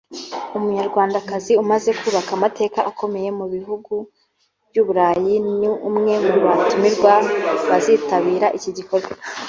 Umunyarwandakazi umaze kubaka amateka akomeye mu bihugu by’u Burayi ni umwe mu batumirwa bazitabira iki gikorwa